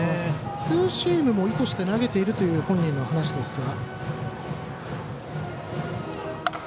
ツーシームも意図して投げているという本人の話ですが。